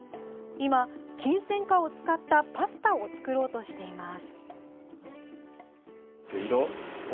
今、キンセンカを使ったパスタを作ろうとしています。